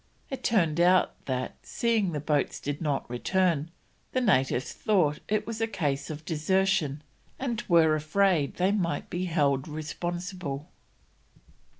It turned out that, seeing the boats did not return, the natives thought it was a case of desertion, and were afraid they might be held responsible.